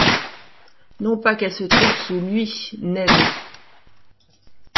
Non pas qu’elle se trouve sous lui, naine !